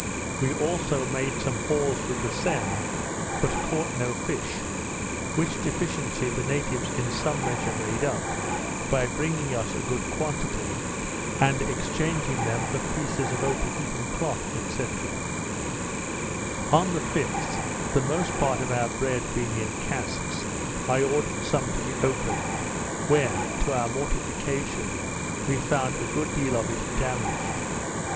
We also made some hauls with the seine, but caught no fish; which deficiency the natives in some measure, made up, by bringing us a good quantity, and exchanging them for pieces of Otaheitean cloth, &c. On the 5th, the most part of our bread being in casks, I ordered some to be opened, when, to our mortification, we found a good deal of it damaged.